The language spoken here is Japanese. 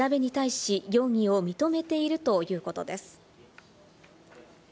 石井容疑者は調べに対し容疑を認めているということです。